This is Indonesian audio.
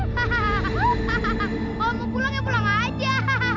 hahaha mau pulang ya pulang aja